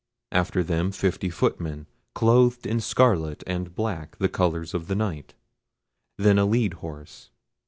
After them fifty footmen, clothed in scarlet and black, the colours of the Knight. Then a led horse.